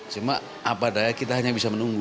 cuma apa daya kita hanya bisa menunggu